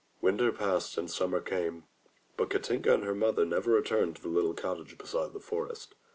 Winter passed and summer came, but Katinka and her mother never returned to the little cottage beside the forest.